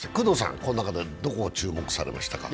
この中でどこを注目されましたか？